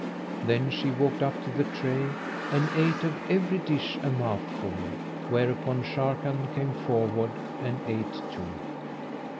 Then she walked up to the tray and ate of every dish a mouthful; whereupon Sharrkan came forward and ate too.